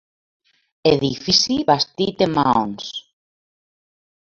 Edifici bastit en maons.